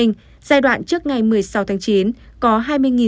giai đoạn trước ngày một mươi sáu tháng chín